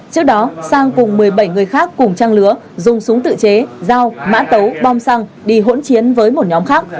trước đó sang cùng một mươi bảy người khác cùng trang lứa dùng súng tự chế dao mã tấu bom xăng đi hỗn chiến với một nhóm khác